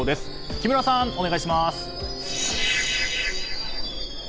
木村さん、お願いします。